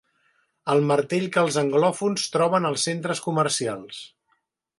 El martell que els anglòfons troben als centres comercials.